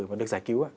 và được giải cứu